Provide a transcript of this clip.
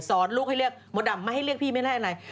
ลูกให้เรียกมดดำไม่ให้เรียกพี่ไม่ได้อะไร